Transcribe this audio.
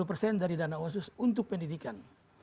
diperlukan dari dana otsusi untuk pendidikan